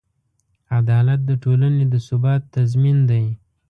عدالت د ټولنې د ثبات تضمین دی.